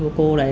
của cô này